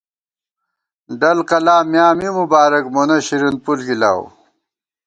ڈل قلا میاں می مبارَک، موہ شرین پُݪ گِلاؤ